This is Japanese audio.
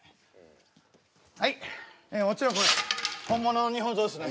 はいもちろんこれ本物の日本刀ですね